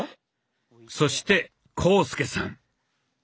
そして浩介さん。